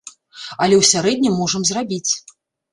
Але ў сярэднім можам зрабіць.